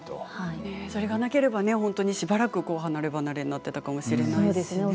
それがなければしばらく離れ離れになっていたかもしれませんね。